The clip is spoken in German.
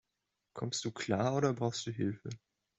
Kommst du klar, oder brauchst du Hilfe?